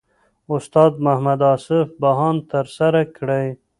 استاد محمد اصف بهاند ترسره کړی.